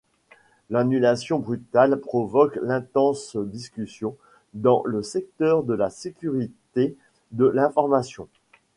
L'annulation brutale provoque d'intenses discussions dans le secteur de la sécurité de l'information.